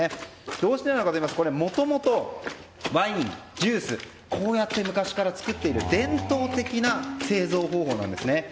どうしてかといいますともともとワイン、ジュースこうやって昔から作っている伝統的な製造方法です。